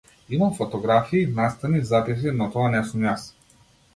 Имам фотографии, настани, записи, но тоа не сум јас.